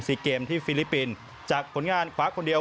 เกมที่ฟิลิปปินส์จากผลงานขวาคนเดียว